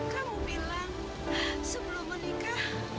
kamu bilang sebelum menikah